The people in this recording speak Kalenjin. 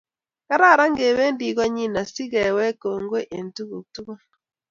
Kararan kebendi konyi asikewek kongoi eng tukuk tukul